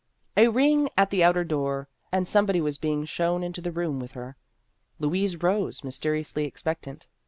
A ring at the outer door, and some body was being shown into the room with her. Louise rose, mysteriously expectant.